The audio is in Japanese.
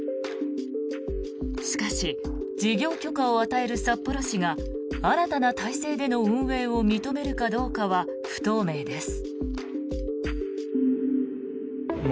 しかし事業許可を与える札幌市が新たな体制での運営を認めるかどうかは不透明です。